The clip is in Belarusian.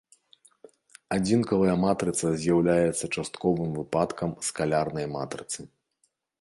Адзінкавая матрыца з'яўляецца частковым выпадкам скалярнай матрыцы.